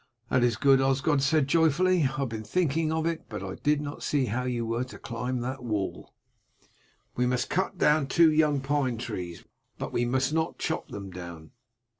"That is good," Osgod said joyfully. "I have been thinking of it, but I did not see how you were to climb that wall." "We must cut down two young pine trees, but we must not chop them down."